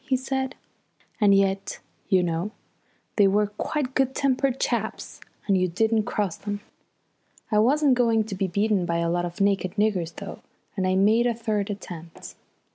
he said. "And yet, you know, they were quite good tempered chaps when you didn't cross them. I wasn't going to be beaten by a lot of naked niggers though, and I made a third attempt.